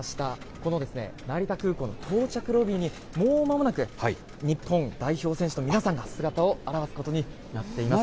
この成田空港の到着ロビーに、もうまもなく、日本代表選手の皆さんが姿を現すことになっています。